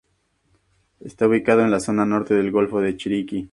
Está ubicada en la zona norte del golfo de Chiriquí.